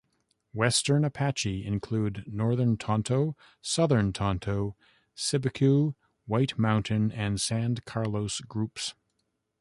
Western Apache include Northern Tonto, Southern Tonto, Cibecue, White Mountain and San Carlos groups.